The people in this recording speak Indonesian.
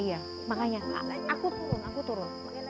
iya makanya aku turun aku turun